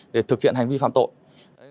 để thực hiện hành vi phạm tội